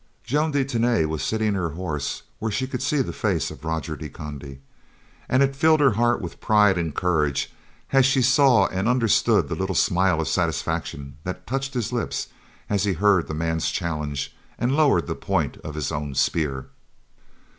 Joan de Tany was sitting her horse where she could see the face of Roger de Conde, and it filled her heart with pride and courage as she saw and understood the little smile of satisfaction that touched his lips as he heard the man's challenge and lowered the point of his own spear.